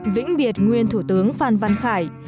vĩnh biệt nguyên thủ tướng phan văn khải